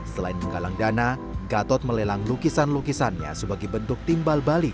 selain menggalang dana gatot melelang lukisan lukisannya sebagai bentuk timbal balik